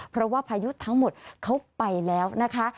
เพราะว่าพายุทั้งหมดเขาไปแล้วนะคะ